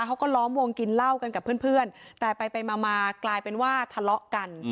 เขาก็ล้อมวงกินเหล้ากันกับเพื่อนแต่ไปมากลายเป็นว่าทะเลาะกัน